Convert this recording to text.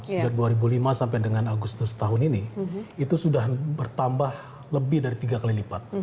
sejak dua ribu lima sampai dengan agustus tahun ini itu sudah bertambah lebih dari tiga kali lipat